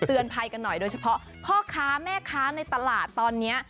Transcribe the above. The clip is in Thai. ภัยกันหน่อยโดยเฉพาะพ่อค้าแม่ค้าในตลาดตอนนี้